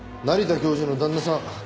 成田教授の旦那さん